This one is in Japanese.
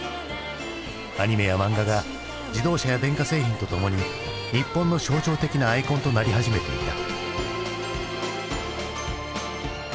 アニメや漫画が自動車や電化製品とともに日本の象徴的なアイコンとなり始めていた。